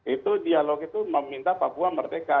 itu dialog itu meminta papua merdeka